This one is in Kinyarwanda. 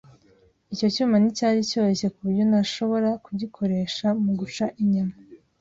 Icyo cyuma nticyari cyoroshye kuburyo ntashobora kugikoresha mu guca inyama